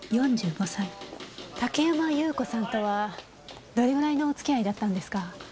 竹山祐子さんとはどれぐらいのお付き合いだったんですか？